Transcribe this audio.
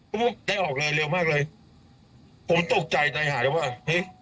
ผมได้ออกเลยเร็วมากเลยผมตกใจใจหาเลยว่าเฮ้ย